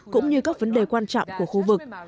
cũng như các vấn đề quan trọng của khu vực